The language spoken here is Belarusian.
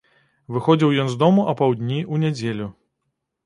Выходзіў ён з дому апаўдні ў нядзелю.